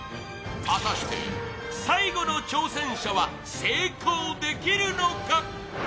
果たして最後の挑戦者は成功できるのか。